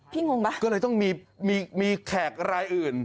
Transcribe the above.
งงป่ะก็เลยต้องมีมีแขกรายอื่น